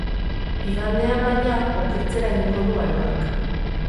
Igandean, baina, okertzera egingo du aroak.